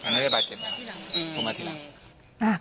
ไม่ได้บาดเก็บครับพอมาที่หลัง